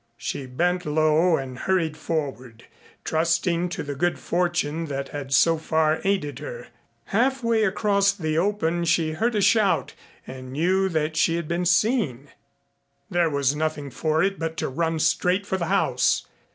She bent low and hurried forward, trusting to the good fortune that had so far aided her. Halfway across the open she heard a shout and knew that she had been seen. There was nothing for it but to run straight for the house.